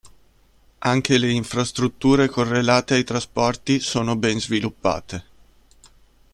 Anche le infrastrutture correlate ai trasporti sono ben sviluppate.